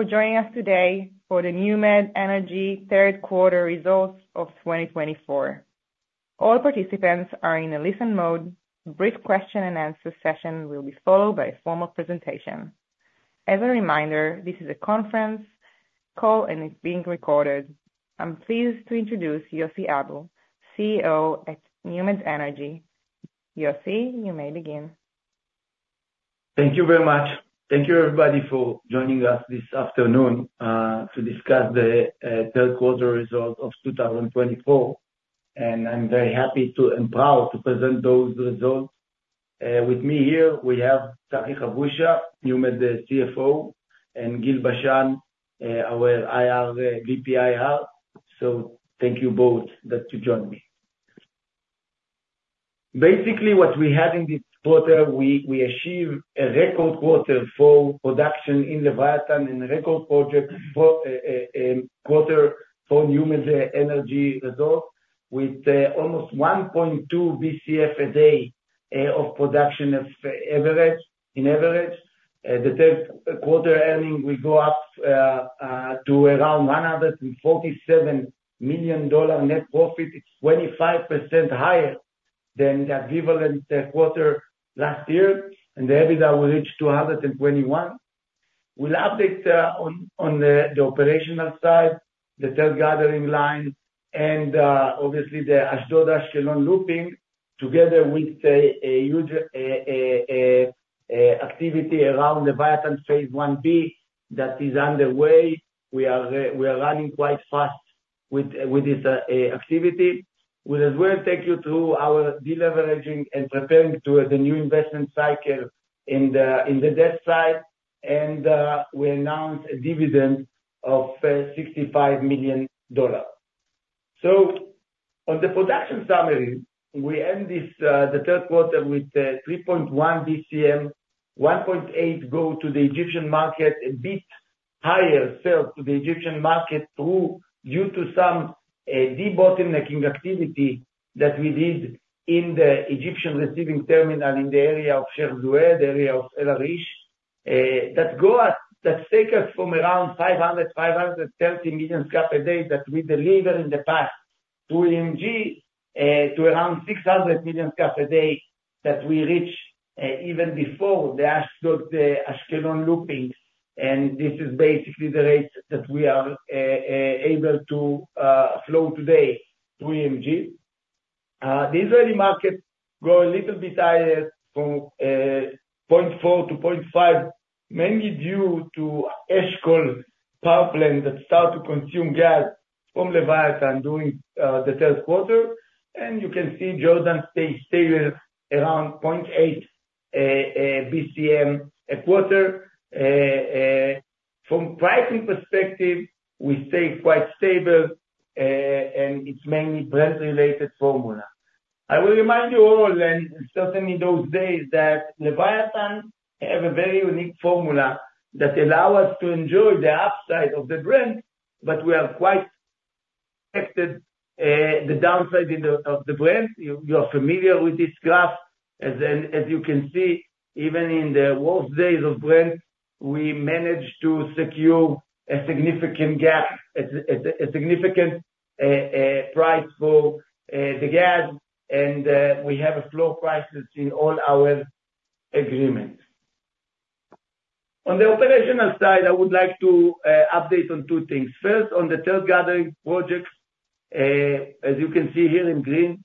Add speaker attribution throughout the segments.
Speaker 1: For joining us today for the NewMed Energy third quarter results of 2024. All participants are in a listen mode. A brief question-and-answer session will be followed by a formal presentation. As a reminder, this is a conference call and is being recorded. I'm pleased to introduce Yossi Abu, CEO at NewMed Energy. Yossi, you may begin.
Speaker 2: Thank you very much. Thank you, everybody, for joining us this afternoon to discuss the third quarter results of 2024. I'm very happy and proud to present those results. With me here, we have Tzachi Habusha, NewMed CFO, and Gil Bashan, our VP IR. Thank you both that you joined me. Basically, what we had in this quarter, we achieved a record quarter for production in Leviathan and a record quarter for NewMed Energy results, with almost 1.2 BCF a day of production in average. The third quarter earnings will go up to around $147 million net profit. It's 25% higher than the equivalent quarter last year, and the EBITDA will reach $221. We'll update on the operational side, the Third Gathering Line, and obviously the Ashdod-Ashkelon Looping, together with a huge activity around Leviathan Phase 1B that is underway. We are running quite fast with this activity. We'll as well take you through our deleveraging and preparing to the new investment cycle in the debt side, and we announced a dividend of $65 million, so on the production summary, we end the third quarter with 3.1 BCM, 1.8 go to the Egyptian market, a bit higher sales to the Egyptian market due to some de-bottlenecking activity that we did in the Egyptian receiving terminal in the area of Sheikh Zuweid, area of El Arish, that take us from around 500, 530 million Scf a day that we deliver in the past to EMG to around 600 million Scf a day that we reached even before the Ashdod-Ashkelon looping, and this is basically the rate that we are able to flow today to EMG. The Israeli markets go a little bit higher from 0.4 to 0.5, mainly due to Eshkol Power Plant that starts to consume gas from Leviathan during the third quarter. You can see Jordan stays stable around 0.8 BCM a quarter. From pricing perspective, we stay quite stable, and it's mainly Brent-related formula. I will remind you all, and certainly those days that Leviathan have a very unique formula that allows us to enjoy the upside of the Brent, but we have quite affected the downside of the Brent. You are familiar with this graph. As you can see, even in the worst days of Brent, we managed to secure a significant gap, a significant price for the gas, and we have a floor price that's in all our agreements. On the operational side, I would like to update on two things. First, on the Third Gathering Line, as you can see here in green,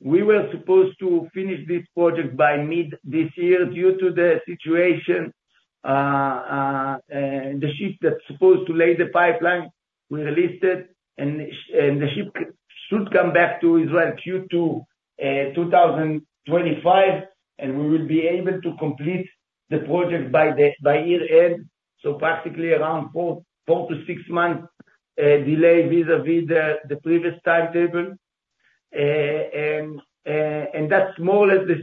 Speaker 2: we were supposed to finish this project by mid this year due to the situation. The ship that's supposed to lay the pipeline, we released it, and the ship should come back to Israel Q2 2025, and we will be able to complete the project by year-end. So practically around four to six months delay vis-à-vis the previous timetable. And that's more or less the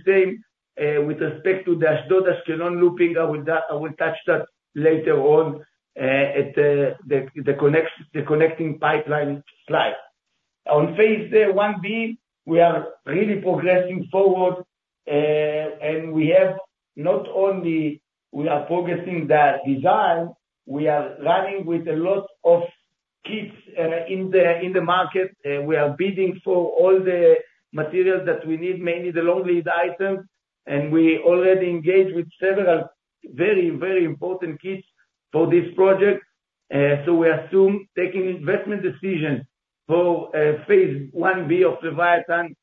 Speaker 2: same with respect to the Ashdod-Ashkelon Looping. I will touch that later on at the connecting pipeline slide. On Phase 1B, we are really progressing forward, and not only are we progressing the design, we are running with a lot of RFQs in the market. We are bidding for all the materials that we need, mainly the long lead items. And we already engaged with several very, very important clients for this project. So we assume taking investment decisions for Phase 1B of Leviathan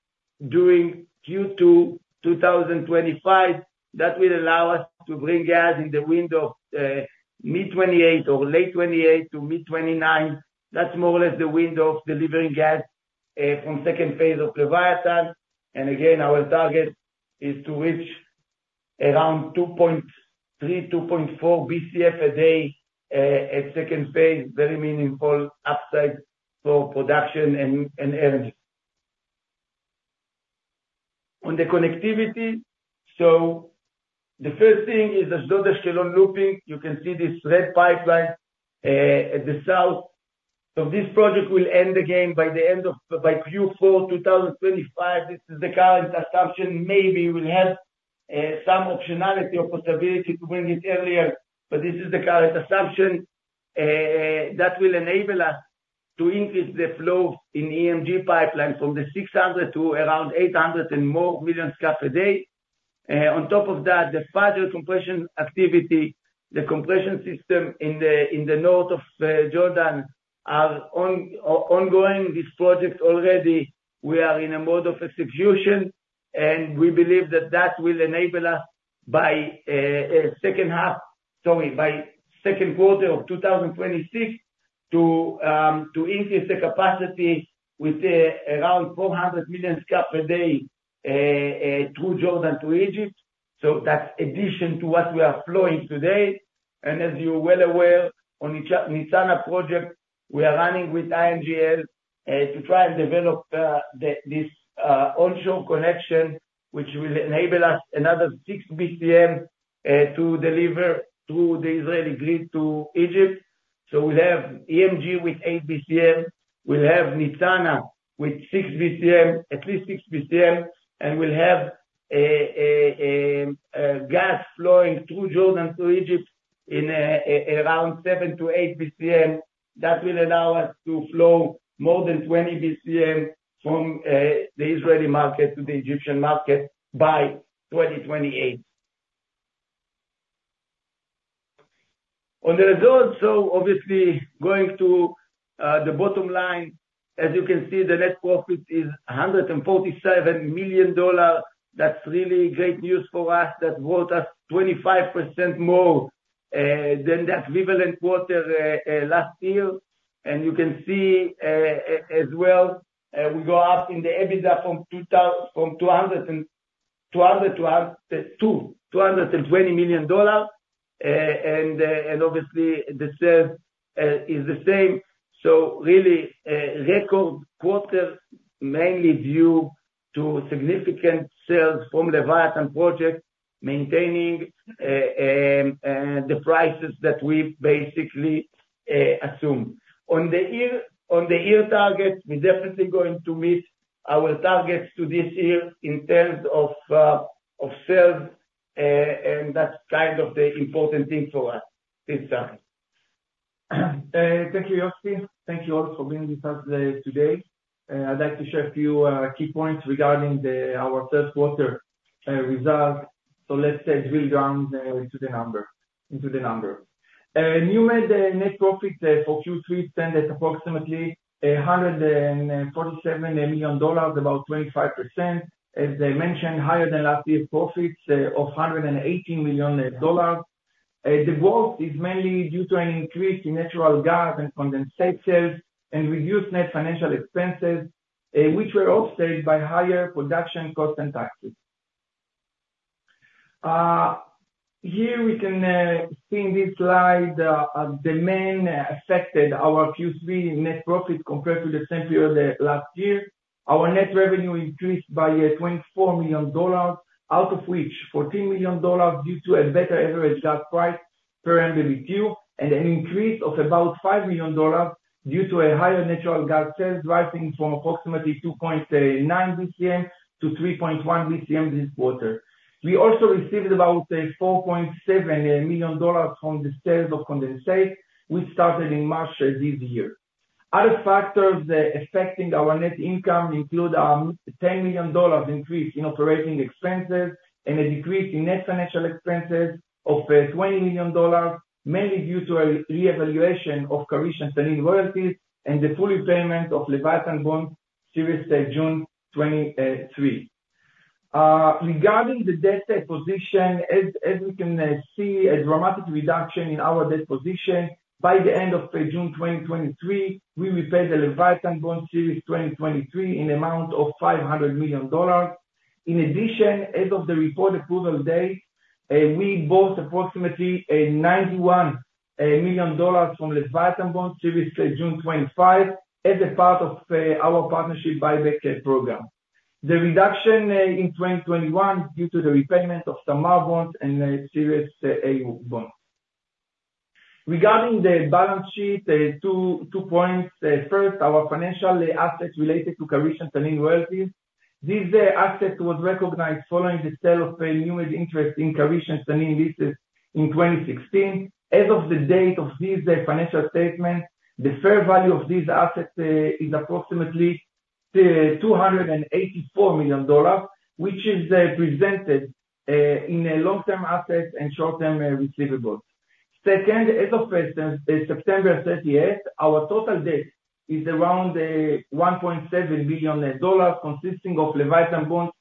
Speaker 2: during Q2 2025. That will allow us to bring gas in the window of mid-2028 or late 2028 to mid-2029. That's more or less the window of delivering gas from second phase of Leviathan. And again, our target is to reach around 2.3-2.4 BCF a day at second phase, very meaningful upside for production and earnings. On the connectivity, so the first thing is Ashdod-Ashkelon looping. You can see this red pipeline at the south. So this project will end again by Q4 2025. This is the current assumption. Maybe we'll have some optionality or possibility to bring it earlier, but this is the current assumption. That will enable us to increase the flow in EMG pipeline from the 600 to around 800 and more million Scf a day. On top of that, the further compression activity, the compression system in the north of Jordan are ongoing. This project already, we are in a mode of execution, and we believe that that will enable us by second half, sorry, by second quarter of 2026 to increase the capacity with around 400 million Scf a day through Jordan to Egypt. So that's addition to what we are flowing today. And as you're well aware, on the Nitsana project, we are running with INGL to try and develop this onshore connection, which will enable us another 6 BCM to deliver through the Israeli grid to Egypt. So we'll have EMG with 8 BCM. We'll have Nitsana with 6 BCM, at least 6 BCM. And we'll have gas flowing through Jordan to Egypt in around seven to eight BCM. That will allow us to flow more than 20 BCM from the Israeli market to the Egyptian market by 2028. On the results, so obviously going to the bottom line, as you can see, the net profit is $147 million. That's really great news for us. That brought us 25% more than the equivalent quarter last year. And you can see as well, we go up in the EBITDA from $220 million. And obviously, the sales is the same. So really, record quarter mainly due to significant sales from Leviathan project, maintaining the prices that we basically assume. On the year target, we're definitely going to meet our targets to this year in terms of sales. And that's kind of the important thing for us this time.
Speaker 3: Thank you, Yossi. Thank you all for being with us today. I'd like to share a few key points regarding our third quarter result. So let's drill down into the number. NewMed net profit for Q3 stands at approximately $147 million, about 25%. As I mentioned, higher than last year's profits of $118 million. The growth is mainly due to an increase in natural gas and condensate sales and reduced net financial expenses, which were offset by higher production costs and taxes. Here we can see in this slide the main affected our Q3 net profit compared to the same period last year. Our net revenue increased by $24 million, out of which $14 million due to a better average gas price per MMBtu and an increase of about $5 million due to a higher natural gas sales rising from approximately 2.9 BCM to 3.1 BCM this quarter. We also received about $4.7 million from the sales of condensate, which started in March this year. Other factors affecting our net income include a $10 million increase in operating expenses and a decrease in net financial expenses of $20 million, mainly due to a reevaluation of Karish and Tanin royalties and the full repayment of Leviathan bond series 2023. Regarding the debt position, as we can see, a dramatic reduction in our debt position. By the end of June 2023, we repay the Leviathan bond series 2023 in the amount of $500 million. In addition, as of the report approval date, we bought approximately $91 million from Leviathan bond series 2025 as a part of our partnership buyback program. The reduction in 2021 is due to the repayment of Tamar bonds and Series A bonds. Regarding the balance sheet, two points. First, our financial assets related to Karish and Tanin royalties. This asset was recognized following the sale of NewMed's interest in Karish and Tanin leases in 2016. As of the date of this financial statement, the fair value of these assets is approximately $284 million, which is presented in long-term assets and short-term receivables. Second, as of September 30, our total debt is around $1.7 billion consisting of Leviathan bonds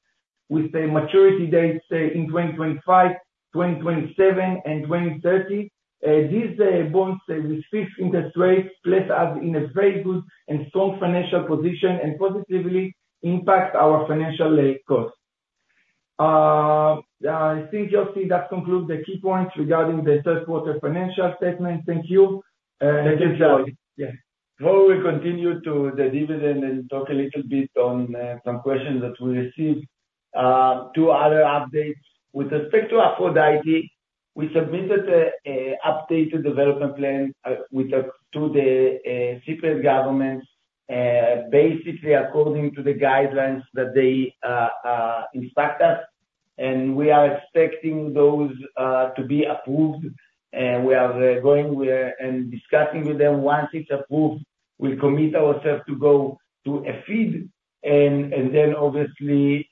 Speaker 3: with maturity dates in 2025, 2027, and 2030. These bonds with fixed interest rates place us in a very good and strong financial position and positively impact our financial costs. I think, Yossi, that concludes the key points regarding the third quarter financial statement. Thank you.
Speaker 2: Thank you, Tzachi.
Speaker 3: Yes.
Speaker 2: Before we continue to the dividend and talk a little bit on some questions that we received, two other updates. With respect to our Aphrodite, we submitted an updated development plan to the Cyprus government, basically according to the guidelines that they instruct us. We are expecting those to be approved. We are going and discussing with them. Once it's approved, we'll commit ourselves to go to a FID and then obviously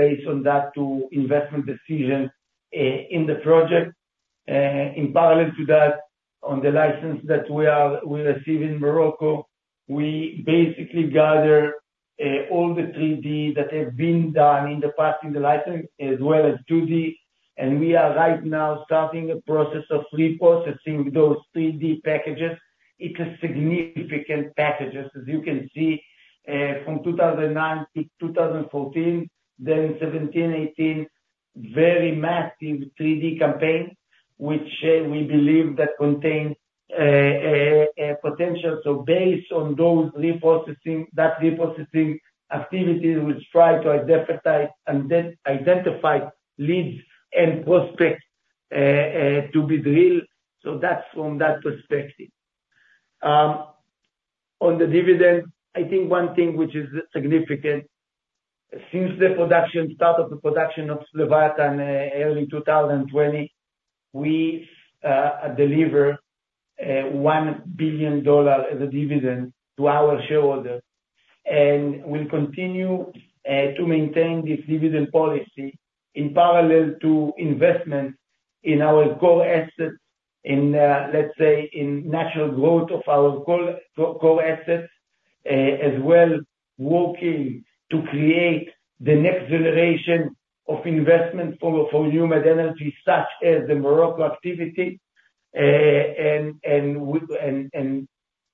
Speaker 2: based on that to investment decision in the project. In parallel to that, on the license that we receive in Morocco, we basically gather all the 3D that have been done in the past in the license as well as 2D. We are right now starting a process of reprocessing those 3D packages. It's a significant package, as you can see, from 2009 to 2014, then 2017, 2018, very massive 3D campaign, which we believe that contains potential, so based on those reprocessing, that reprocessing activity, we try to identify leads and prospects to be drilled, so that's from that perspective. On the dividend, I think one thing which is significant. Since the production start of the production of Leviathan early 2020, we deliver $1 billion as a dividend to our shareholders, and we'll continue to maintain this dividend policy in parallel to investment in our core assets, in, let's say, in natural growth of our core assets, as well working to create the next generation of investment for NewMed Energy, such as the Morocco activity, and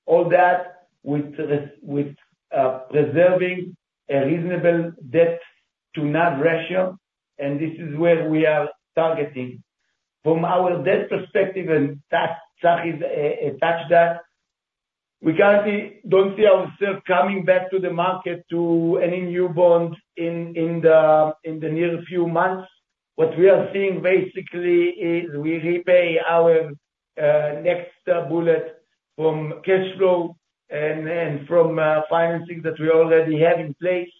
Speaker 2: all that with preserving a reasonable debt to NAV ratio, and this is where we are targeting. From our debt perspective, and Tzachi touched that, we currently don't see ourselves coming back to the market to any new bond in the near few months. What we are seeing basically is we repay our next bullet from cash flow and from financing that we already have in place.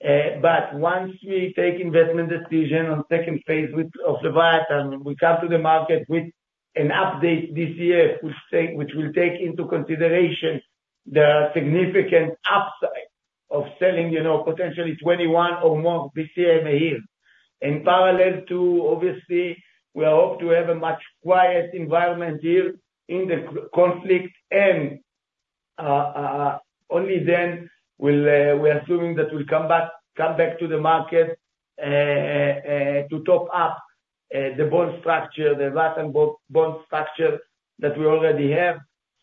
Speaker 2: But once we take investment decision on second phase of Leviathan, we come to the market with an update this year, which will take into consideration the significant upside of selling potentially 21 or more BCM a year. In parallel to, obviously, we hope to have a much quieter environment here in the conflict. And only then we're assuming that we'll come back to the market to top up the bond structure, the Leviathan bond structure that we already have.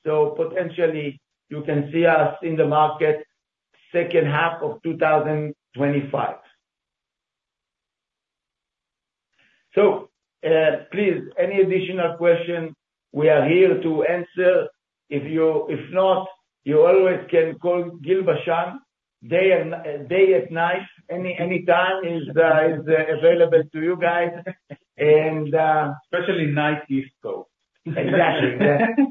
Speaker 2: So potentially, you can see us in the market second half of 2025.
Speaker 3: So please, any additional question, we are here to answer. If not, you always can call Gil Bashan. Day or night, any time is available to you guys.
Speaker 2: Especially tonight, East Coast.
Speaker 3: Exactly.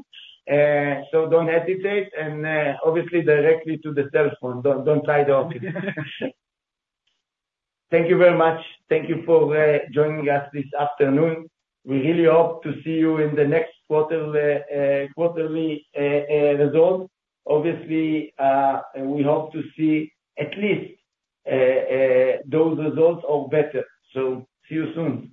Speaker 3: So don't hesitate and obviously, directly to the cell phone. Don't try to open. Thank you very much. Thank you for joining us this afternoon. We really hope to see you in the next quarterly results. Obviously, we hope to see at least those results or better, so see you soon.